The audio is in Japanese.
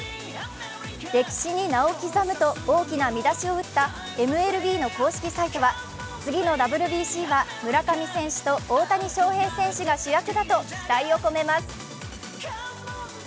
歴史に名を刻むと大きな見出しを打ったＭＬＢの公式サイトは次のＷＢＣは村上選手と大谷翔平選手が主役だと期待を込めます。